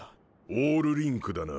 オールリンクだな。